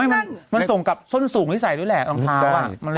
นั่งมันส่งกับช่วงสูงที่ใส่ด้วยแหละต่างวะ